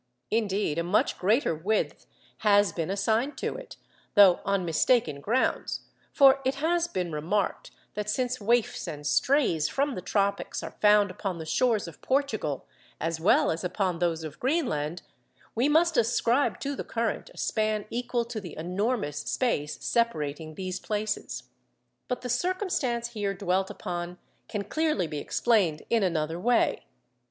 Indeed, a much greater width has been assigned to it, though on mistaken grounds; for it has been remarked that since waifs and strays from the tropics are found upon the shores of Portugal, as well as upon those of Greenland, we must ascribe to the current a span equal to the enormous space separating these places. But the circumstance here dwelt upon can clearly be explained in another way.